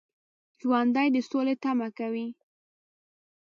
ژوندي د سولې تمه کوي